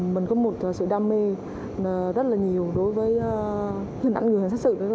mình có một sự đam mê rất là nhiều đối với hình ảnh người hình sát sự